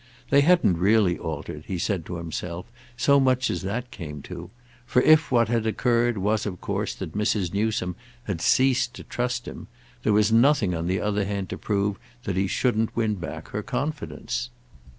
They hadn't really altered, he said to himself, so much as that came to; for if what had occurred was of course that Mrs. Newsome had ceased to trust him, there was nothing on the other hand to prove that he shouldn't win back her confidence.